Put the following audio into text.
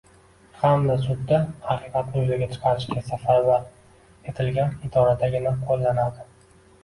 hamda sudda – haqiqatni yuzaga chiqarishga safarbar etilgan idoradagina qo‘llanadi.